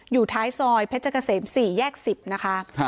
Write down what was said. อยู่ท้ายซอยเพชรเกษม๔แยก๑๐นะคะ